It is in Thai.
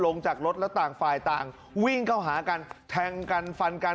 จากรถแล้วต่างฝ่ายต่างวิ่งเข้าหากันแทงกันฟันกัน